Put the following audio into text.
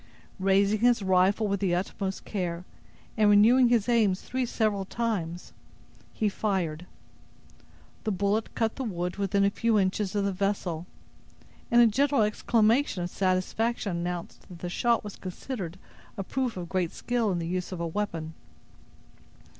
Raising his rifle with the utmost care, and renewing his aim three several times, he fired. The bullet cut the wood within a few inches of the vessel; and a general exclamation of satisfaction announced that the shot was considered a proof of great skill in the use of a weapon.